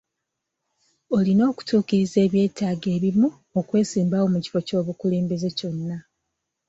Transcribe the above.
Olina okutuukiriza ebyetaago ebimu okwesimbawo ku kifo ky'obukulembeze kyonna.